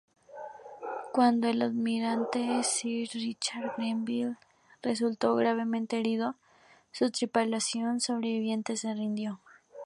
Cuando el almirante sir Richard Grenville resultó gravemente herido, su tripulación sobreviviente se rindió.